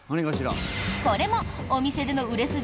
これもお店での売れ筋